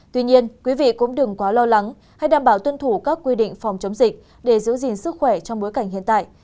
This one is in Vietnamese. tuy nhiên quý vị cũng đừng quá lo lắng hay đảm bảo tuân thủ các quy định phòng chống dịch để giữ gìn sức khỏe trong bối cảnh hiện tại